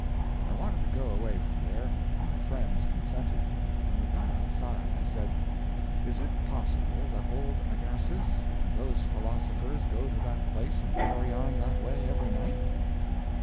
I wanted to go away from there, and my friends consented. When we got outside, I said, "Is it possible that old Agassiz and those philosophers go to that place and carry on that way every night?"